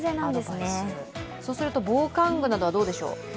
そうすると防寒具などはどうでしょう？